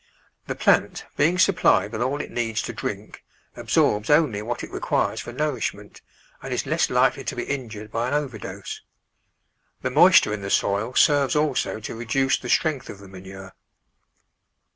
The plant, being supplied with all it needs to drink, absorbs only what it requires for nourishment and is less likely to be injured by an Digitized by Google Three] ftttiUm& 29 overdose. The moisture in the soil serves also to reduce the strength of the manure.